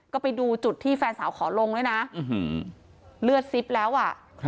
ก็ไปดูจุดที่แฟนสาวขอลงด้วยนะเลือดซิบแล้วอ่ะ